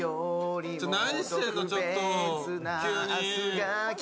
何してんのちょっと、急に。